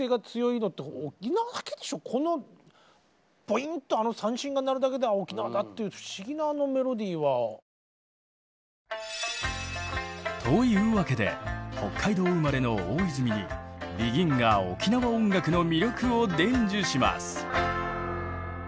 ポインとあの三線が鳴るだけで沖縄だっていう不思議なメロディーは。というわけで北海道生まれの大泉にＢＥＧＩＮが沖縄音楽の魅力を伝授します！